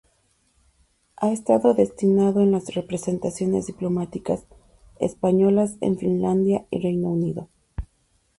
Ha estado destinado en las representaciones diplomáticas españolas en Finlandia y Reino Unido.